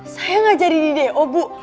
saya gak jadi ddo bu